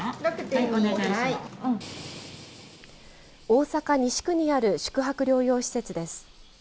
大阪、西区にある宿泊療養施設です。